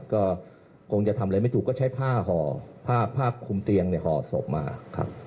ก็คงจะทำอะไรไม่ถูกก็ใช้ผ้าห่อผ้าผ้าคุมเตียงในห่อศพมาครับ